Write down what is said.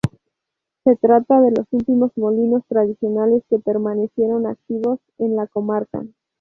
Se trata de los últimos molinos tradicionales que permanecieron activos en la comarca.